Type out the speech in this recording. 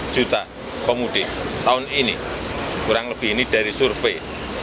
dua puluh juta pemudik tahun ini kurang lebih ini dari survei